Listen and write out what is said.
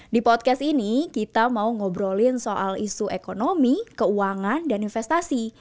di podcast ini kita mau ngobrolin soal isu ekonomi keuangan dan investasi